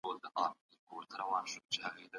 سياسي بېطرفي په څېړنه کي شرط ده.